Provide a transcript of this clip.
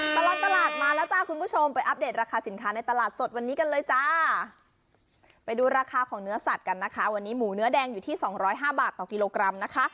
ตลอดตลาดมาแล้วจ้าคุณผู้ชมไปอัปเดตราคาสินค้าในตลาดสดวันนี้กันเลยจ้าไปดูราคาของเนื้อสัตว์กันนะคะวันนี้หมูเนื้อแดงอยู่ที่สองร้อยห้าบาทต่อกิโลกรัมนะคะ